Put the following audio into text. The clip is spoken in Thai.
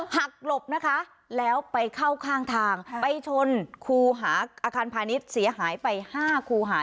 หลบนะคะแล้วไปเข้าข้างทางไปชนคูหาอาคารพาณิชย์เสียหายไป๕คูหา